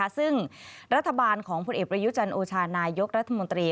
ซึ่งรัฐบาลของผลเอกประยุจันทร์โอชานายกรัฐมนตรี